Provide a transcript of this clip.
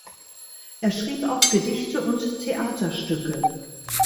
Er schrieb auch Gedichte und Theaterstücke.